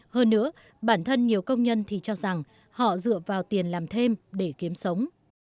hơn nữa bản thân nhiều công nhân thì cho rằng họ dựa vào tiền làm thêm để kiếm sống